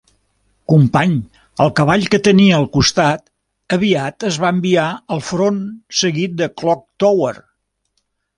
Company, el cavall que tenia al costat aviat es va enviar al front seguit de Clock Tower.